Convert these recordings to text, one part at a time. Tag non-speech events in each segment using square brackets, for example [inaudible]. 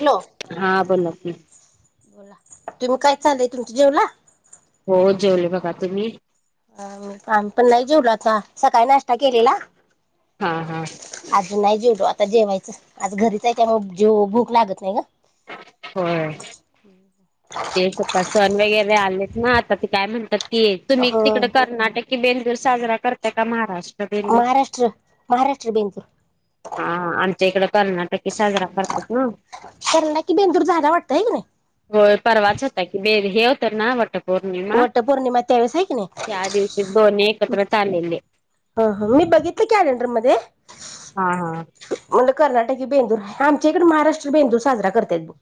Hello हा बलात बोला तुम्ही काय ांलय तुमच्या जेवला हो जेवले बघा तुम्ही अ म काम पण नाही जेवला आता सकाळी नाश्ता केलेला हा हा आजून नाही जरात ता जेवायचं आज घरीच आहे का म जेव भूक लागत नाही ग हम तेत सण वगैरे आलेत ना आता ते काय म्हणतात ती तुम्ही होय तिकडे कर्नाटककी बेंदूर साजरा करत का महाराष्ट्र ब महाराष्ट्र महाराष्ट्र बेंदूर हा इकड कर्नाटक साजरा करतात ना कारण ना की बेंदूर झाला वाटतं आहे की नाही हो पाचताकी बेर हेवतर ना वाटत पौर्णिमा वट पौर्णिमा त्यावेळेस आहे की नाही त्या दिवशी दोन् एकत्र चालेले ह ह मी बघितलं क टंडर मध्ये हा हा म्हण कर्नाटकी बेंदूर आमच्याकडे महाराष्ट्र बेंदूर साजरा करतत ब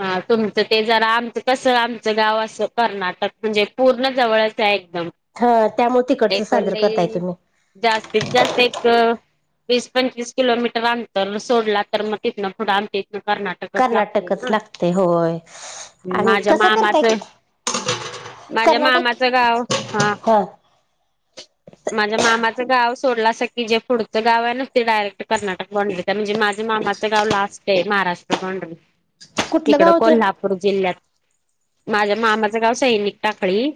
हा तुमचं ते जरा आमचं कस आमचं गाव असं कर्नाटक म्हणजे पूर्ण जवळचं आहे म हा त्यामुळे तिकडचं एक साजरं करताय मजली तुम्ही जास्तीत जास्त एक. वीस पंचवीस किलोमीटर आंतर सोडला तर मग तिथ ना पुढं आम कर्नाटकच लागते ना. ते होय आणि माझ्या कसं करताय? मामाचं माझ्या कर्नाटक मामाचं गाव हां हा माझ्या मामाचं गाव सोडल अस की जे पुढचं गाव आहे ना ते डायरेक्ट कर्नाटक बॉनड म्हणजे माझे मामाचं गाव लास्ट आहे. महाराष्ट्र [unintelligible] कुठलं तिकडं गाव ते कोल्हापूर जिल्ह्यात माझ्या मामाचं गाव सैनिक टाकळी.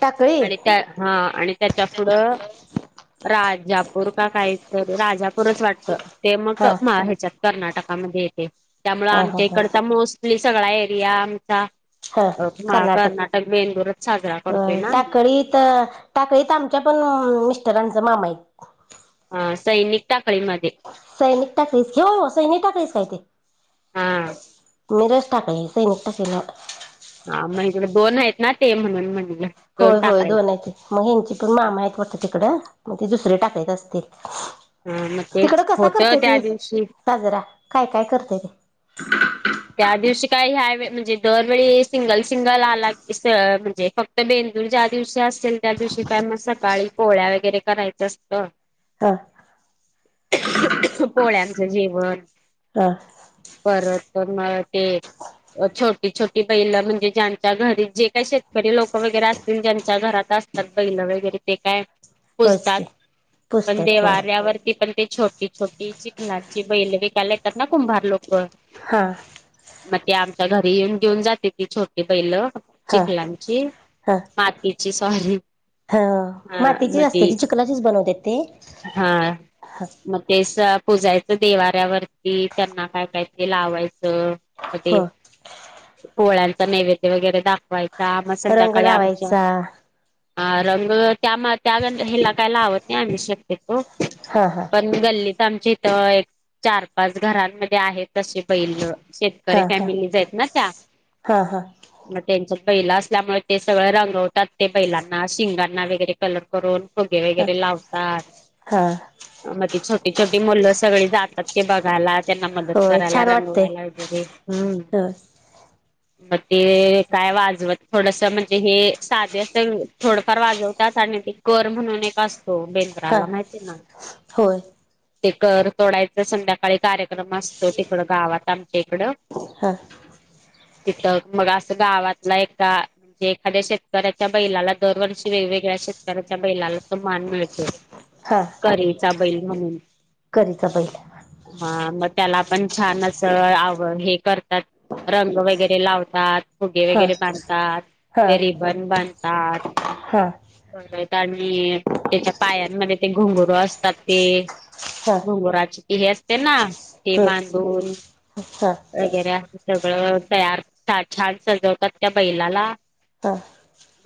टाकळी आणि त्या हा आणि त्याच्या पुुढं राजापूर का काहीतरी राजापूरच वाटत ते मग हा ह्याच्यात कर्नाटक येते त्यामुळे हा हा आमच्या हा इकड कली सगळा एरिया आमचा ह कर्नाटक बेंदूरच साजरा करतोय ना टाकळीत टाकळीत आमच्या पण मिस्टरांचा माम आहेत सैनिक टा सैनिक टाकेस घेऊ सैनिक टाकरेस काय ते हा मीरच टाक सैन त केला. हा मग त बोन आहेत ना ते म्हणून म्हण होय होय दोन मग ह्यांची पण मामा आहेत वात तिकडं मग ते दुसर टाकायत असतील. मग तिकडं तेच कसा होत करते त्या त दिवशी साजरा. काय काय करतेय ते. त्या दिवशी काय ह्या म्हणजे दरवेळी सिंगल सिंगल आला की म्हणजे. फक्त बेंदूर ज्या दिवशी असेल त्या दिवशी काय मग सकाळी पोळ्या वगैरे करायचं असतं. हा. पोळ्यांचं जेवण हा परत. तर मग ते छोटी छोटी बैला म्हणजे ज्यांच्या घरी जे काय शेत. री लोक वगैरे असतील ज्यांच्या घरात असतात बैल वगैरे ते काय. होयच पूजतात की पण पुजत्यात होय देवाऱ्यावरती पण. ते छोटी छोटी चिखलांची बैल विकायला येतात ना कुंभार लोक. हा. मग ते आमच्या घरी येऊन घेऊन जाते ती छोटी बैलं. हा चिखलांची मातीची सॉरी. हा हा मातीचीच मग असते ती चखलाचीच बनवतेेत. हा म्हणजे स. पुुजायचं देवाऱ्यावरती त्यांना काय काय ते लावायचं. ह पोळ्यांचा नैवेद्य वगैरे दाखवायचं. मग रंग संध्याकाळी आमच्या. लावायचा ह रंग त्या त्या हेला काय लावत नाही आ् शक तो. हा हा पण गल्ली तर आमच्या. एक चार पाच घरांमध्ये आहे ते बैल. शेतकरी हा हा फॅमिली आहेत ना त्या हा हा मग त्यांच्या बैला असल्यामुळे ते सगळ रंगवतात ते बैलांना शिंगांना वगैरे कलर करून. होगे वगैरे लावतात. हां. मग ती छोटी छोटी मुलं सगळे जातात की बघायलात. त्यांना मदत होय करारला छान रंग वाटते लावायला येरी हम्म. ह मग ते काय वाजवत थोडस म्हणजे हे साधे असं थोडंफार वाजवतात. ते कर म्हणून एक असतो हा बेलगराला माहिती ना. होय ते करतोडायचं संध्याकाळी कार्यक्रम असतो तिकड गावात आमच्या इकडं. हा. तिथं मग असं गावातला एका म्हणजे एखाद्या शेतकऱ्याच्या बैलाला दरवर्षी वे. वेवेगळ्या शेतकऱ्याच्या बैलाला तर मान मिळते करीचा बैल म्हणून. कीच पहिला. हा मग त्याला पण छान अस आव हे करतात रंग वगैरे लावतात. फुगे हा वगैरे बांधतात हा ते रिबन बांधतात. हा आणि त्याच्या पायांमध्ये ते घोंगुर असतात ते हा घोंगराचे हे असते ना ते ह बांधून हा हा वगैरे अस सग सगळं तयार छान सजवतात त्या बैलाला हा.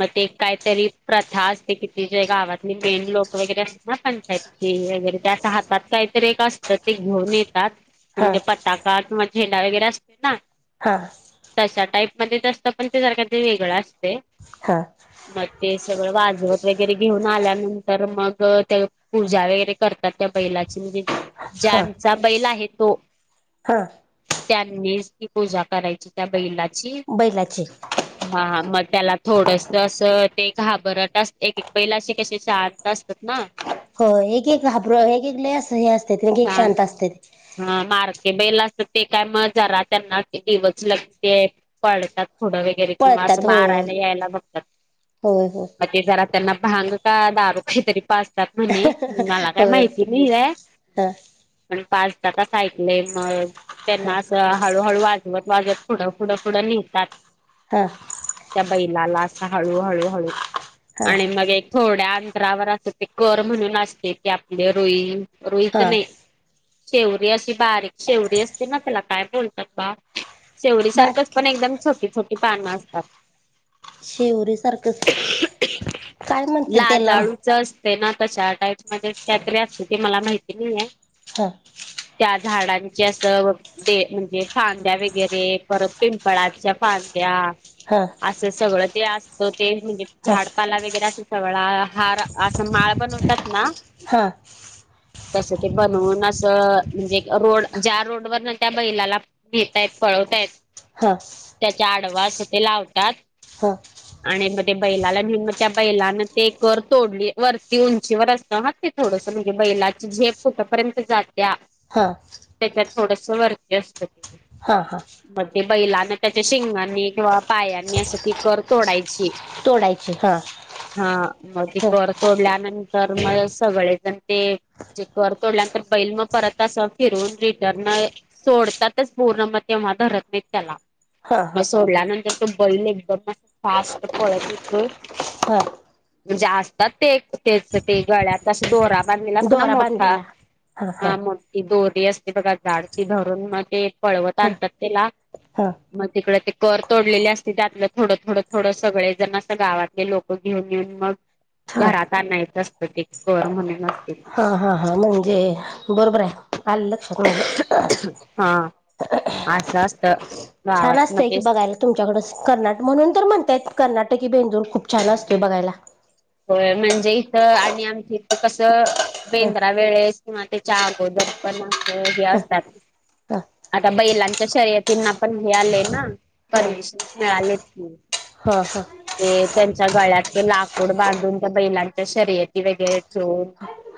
मग ते कायतरी प्रथा असते किती जे गावातली मेन लोक वगैरे अस ना पंचायतीची वगैरे त्याच्या हातात काहीतरी एक असतं ते घेऊन येत म्हणजे पटाका किंवा [unintelligible] वगैरे असते ना हा तश्या टाईप मध्ये असत पण ते सारख ते वेगळा असते हा मग ते सगळं वाज जवत वगैरे घेऊन आल्यानंतर मग ते पूजा वगैरे करतात त्या बैलाची म्हणजे ज्यांचा बैल आहे तो. हां त्यांनीच ती पूजा करायची त्या बैलाची बैलाची हां म त्याला थोडस असं ते घाबरट अस एक- एक बैलाशी कशी शांत असतात ना. हो एक -एक घाबर एक -एक लय अस हे असते एक- एक शांत असते एक -एक बैल असतात ते काय मग जरा त्यांना डिवचल ते पळतात. पुढ वगैरे किंवा असं पळतात हो मारायला यायला बघतात होय हो मग ते जरा त्यांना भांग का दारू काही तरी पाजतात म्हणे मला काय होय माहिती नाही का हा पाचतात अस‌ ऐकलाय मग हा त्यांना असं हळूहळू वाजत गाजवत ‌असं पुढं -पुढं -पुढ नेेतात ह [inaudible] झालं अस हळू -हळू -हळू हा आणि हा मग एक थोड्या जरावर असताय ते कर म्हणून असते ते आपले रोई- रोईच हा नाही शेवी अशी बारीक शेवडी असते ना त्याला काय बोलतात बा शेवडी सारखंच बारक पण एकदम छोटी- छोटी पानं असतात शेवरी सारखं [inaudible] काय म्हणते त्याला ते ना तशा टाईप मध्ये काहीतरी असते ते मला माहिती नाहीये हो [inaudible] झाडांचे असं म्हणजे फांद्या वगैरे परत पिंपळाच्या फांद्या हा असं सगळं ते असतं ते म्हणजे हा झाडपाला वगैरे अस सगळा हार असं माळ बनवतात ना हा [inaudible] कसं ते बनवून असं म्हणजे रोड ज्या रोडवरन ना त्या बैलाला भेटताय प हा त्याच्या [inaudible] आडवा लावतात हा आणि बैलाला मग त्या बैलान ते कर तोडली वरती उंचीवर असत ते थोडस म्हणजे बैला जेप कुठपर्यंत जात्या हा त्याच्यात थोडस वरती असतं हा -हा बैलांना त्याच्या शिंगांनी किंवा पायांनी असं ती कर तोडायची तोडायची हा [inaudible] हा मग ती ह कर तोडल्यानंतर तर [inaudible] मग सगळे जण ते जे कर तोडल्यानंतर बैल मग परत अस फिरून रिटर्न सोडतातच पूर्ण मग ते मग धरत नाहीत त्याला हा [inaudible] मग हा सोडल्यानंतर बैल एकदम अस फास्ट पळत येतोय हा म्हणजे असतात तेच ते गळ्यात दोरा बंधलेला पुन्हा दोरा मोठा बांधलेला हा मोठी दोरी असते बघा जाडती भरून मग ते पळवत हा आणतात त्याला हा [inaudible] मग तिकड ते कर तोडलेले असते त्यातलं थोडं- थोडं -थोडं सगळे जण असं गावातले लोक घेऊन येऊन मग हा घरात आणायचं असतं ते कर म्हणून असत ते हा -हा- हा म्हणजे बरोबर आहे आले लक्षात माज्या [inaudible] अस असत छान असतय की बघायला तुमच्याकड कर्नाटक म्हणून तर म्हणताय कर्नाटक की बेंदूल खूप छान असतो बघायला होय म्हणजे इथं आणि आमच्या इथ कसं ह बेंद्रा वेळेस किंवा ते अगोदरपण अस हे ह असतात ह [inaudible] आता बैलांच्या शर्यत त्यांना पण हे आले ना [inaudible] परमिशन मिळालेत की [inaudible] ह ह ह ते त्यांच्या गळ्यात ते लाख तोंड बांधून त्या बैलांच्या शर्यती वगैरे ठेवून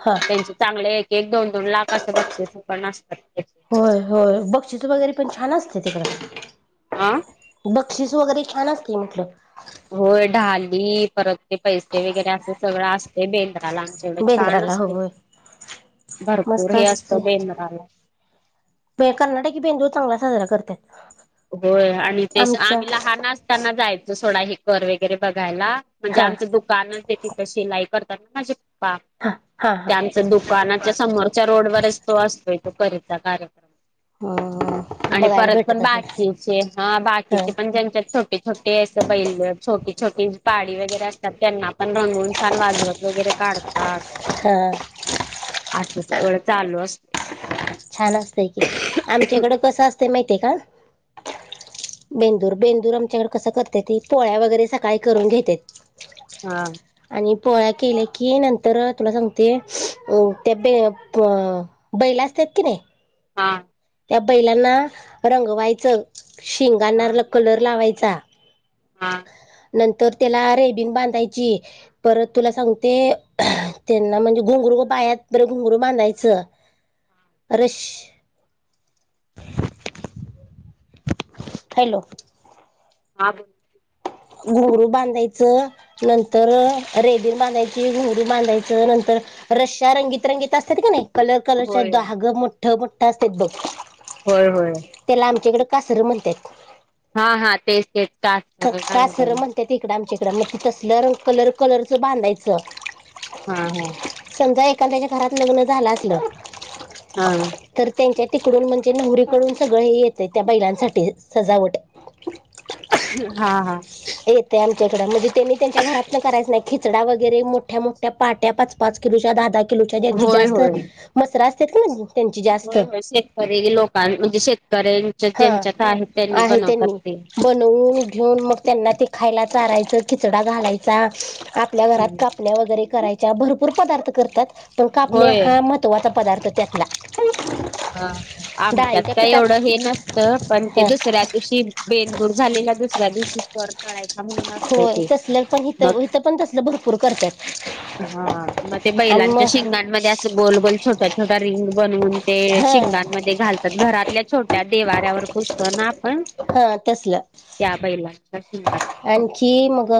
हा त्यांचे चांगले एक दोन -दोन लाख असं बक्षीस पण असतात त्याचे. होय -होय बक्षस वैगैरे पण छान असते [inaudible] तिकडे अ बक्षीस वगैरे छान असते म्हटल. होय, ढाली परत ते पैसे वगैरे असं सगळं असते बेल ला आमच्या एवढे छान बेंद्राला असते, होय भरपूर मस्त हे असत असते बेंद्रला. कर्नाटकी बेंदुर चांगला साजरा करतात. होय, आणि ते आमच्या आम्ही लहान असताना जायचो थोडा हे कर वगैरे बघायला. म्हणजे हा आमचं दुकानच आहे तिथं शिलाई करता माझे हा हा ते हा आमच्या दुकानाच्या समोरच्या रोड वरच तो असतोय. करीचा कार्यक्रम. हम, बघायला भेटत असल. कीचे हा बाकीचे पण ज्यांच्यात छोट छोटे छोटे अस बैल छोटी छोटी पाळी वगैर असतात त्यांना पण रंगून छान वाजवत वगैरे काढत हा, हा असं सगळं चालू असत. छान असतय की आमच्याकड कसं असत माहितीय का? बेंदूर, बेंदूर आमच्याकडे कसं करत्याती पोळ्या वगैरे सकाळी करून घेत्यात. हा. पोळ्या केल्या की नंतर तुला सांगते अ त्या ब बैलं असत्यात. हाय की नाय. हा. त्या बैलांना रंगवायचं, हा शिंगाणारला कलर लावायचा. हा. नंतर त्याला रेबीन बांधायची, परत तुला सांगते त्यांना म्हणजे घुंगु रू पायात बर घुंगरू बांधायचं रशी [inaudible] हॅलो. ह. घुंगरू बांधायचं, नंतर रेबीन बांधायची घुरू बांधायचं नंतर रश्या रंगीत-रंगीत असतात का नाही कलर कलरच्या होय धहाग मोठं मोठं असतात बघ. होय होय. त्याला आमच्याकडे कासरं म्हणतात. हा हा, तेच तेच. कास्तर कासरं काहीतरी. म्हणत्यात इकडं आमच्या इकडं, मग ते तसलं रंग कलर कलरच बांधायचं. हा हा. त्याच्या घरात लग्न झालं असलं हा तर त्यांच्यात तिकडून म्हणजे नवरीकडून सगळं येते त्या बैलांसाठी, सजावट. हा हा. येते आमच्याकडं म्हणजे त्यांनी त्यांच्या घरातच करायचं नाही. खिचडा वगैरे मोठ्या मोठ्या पाट्या पाच पाच किलोच्या. धा धा किलोच्या जेंची होय जास्त होय. म्हसरं असत त्यांची जास्त. होय होय शेतकरी लोकां म्हणजे शेतकऱ्यांच्या हा ज्यांच्यात आहेत त्यांनी आहे बनवतात त्यांनी ते. बनवून घेऊन मग त्यांना ते खायला चारायचं खिचडा घालायचा आपल्या घरात कापण्या वगैरे करायच्या भपूर पदार्थ करतात पण कापण्या होय हा महत्त्वाचा पदार्थ त्यातला. ह, आमच्यात डाळीच्या काय पिठात एवढं हे नसतं पण ते हा दुसऱ्या दिवशी बेनबूर झाले. दुसऱ्या दिवशी कर. तळायचा म्हणून असतं होय, ते. तसलं पण इथ मग इथं पण तसल भरपूर करत्यात. हा, मग ते बैलांच्या शेंगांमध्ये असं बोलबोल छोट्या छोट्या रिंग बनवून ते हां शिंगांमध्ये घालतात घरातल्या छोट्या देवाऱ्यावर पुोसतो ना आपण. हां त्या बैलांच्या शिंगात आणखी मग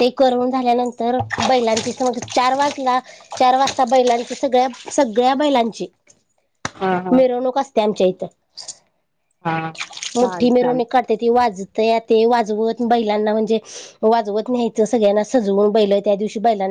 ते करून झांल्या नंतर तर बैलांची समज चार वाजला चार वाजता बैलांची सगळ्या सगळ्या बैलांची [inaudible] हा मिरवणूक असते आमच्या इथं. हा चाल मोठ्ठी चाल मिरवून काढते ती वाजते ते वाजवत बैलांना म्हणजे वाजवत नाहीयच सगळ्यांना सजवून बैल त्या दिवशी बैलांना